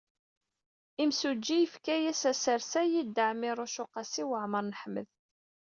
Imsujji yefka-as asersay i Dda Ɛmiiruc u Qasi Waɛmer n Ḥmed.